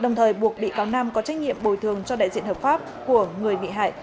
đồng thời buộc bị cáo nam có trách nhiệm bồi thường cho đại diện hợp pháp của người bị hại